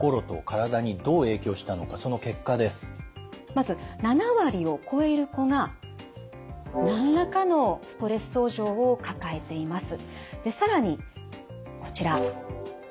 まず７割を超える子が何らかのストレス症状を抱えています。